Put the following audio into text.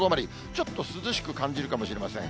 ちょっと涼しく感じるかもしれません。